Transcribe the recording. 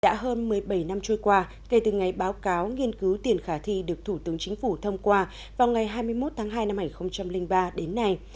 đã hơn một mươi bảy năm trôi qua kể từ ngày báo cáo nghiên cứu tiền khả thi được thủ tướng chính phủ thông qua vào ngày hai mươi một tháng hai năm hai nghìn ba đến nay